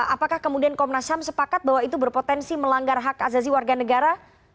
apakah kemudian komnas ham sepakat bahwa itu berpotensi melanggar hak azazi warga negara